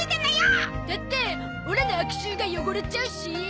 だってオラのアクシューが汚れちゃうし！